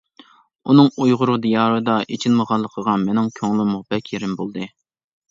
ئۇنىڭ ئۇيغۇر دىيارىدا ئېچىلمىغانلىقىغا مېنىڭ كۆڭلۈممۇ بەك يېرىم بولدى.